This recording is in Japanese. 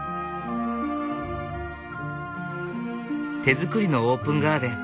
手づくりのオープンガーデン。